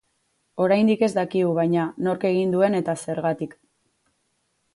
Oraindik ez dakigu, baina, nork egin duen eta zergatik.